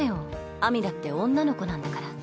秋水だって女の子なんだから。